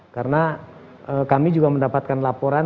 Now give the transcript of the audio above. karena kami juga mendapatkan laporan